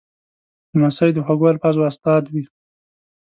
لمسی د خوږو الفاظو استاد وي.